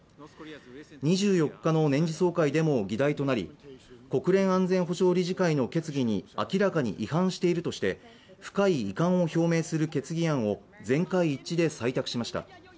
２４日の年次総会でも議題となり、国連安全保障理事会の決議に明らかに違反しているとして、深い遺憾を表明する決議案を全会一致で採択しました。